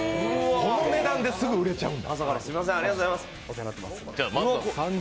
この値段ですぐ売れちゃうんだ。